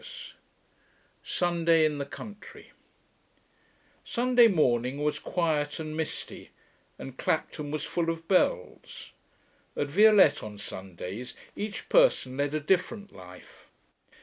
CHAPTER IX SUNDAY IN THE COUNTRY 1 Sunday morning was quiet and misty, and Clapton was full of bells. At Violette on Sundays each person led a different life.